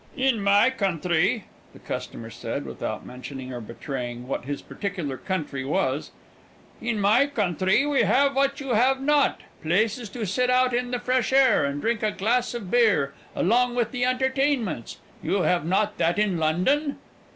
"In my country," the customer said, without mentioning or betraying what his particular country was "in my country we have what you have not, places to sit out in the fresh air, and drink a glass of beer, along with the entertainments. You have not that in London?"